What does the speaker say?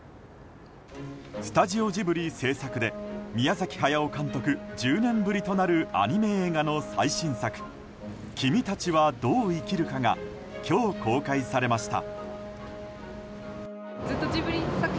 スタジオジブリ制作で宮崎駿監督、１０年ぶりとなるアニメ映画の最新作「君たちはどう生きるか」が今日、公開されました。